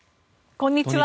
こんにちは。